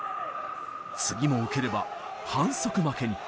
次も受ければ反則負けに。